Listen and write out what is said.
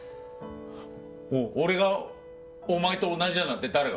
お俺がお前と同じだなんて誰が？